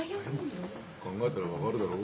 考えたら分かるだろ？